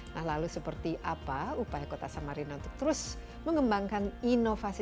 nah lalu seperti apa upaya kota samarina untuk terus mengembangkan inovasi